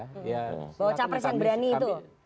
bawa capres yang berani itu